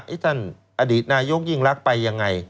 ท่านอดีตนายกยิ่งรักไปยังไง